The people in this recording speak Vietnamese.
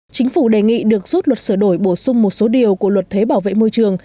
chính phủ đề nghị được rút luật sửa đổi bổ sung một số điều của luật thuế bảo vệ môi trường